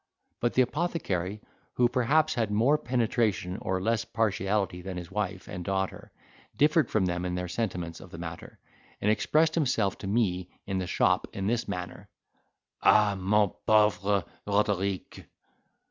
But the apothecary, who perhaps had more penetration or less partiality than his wife and daughter, differed from them in their sentiments of the matter, and expressed himself to me in the shop in this manner: "Ah mon pauvre Roderique!